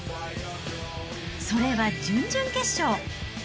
それは準々決勝。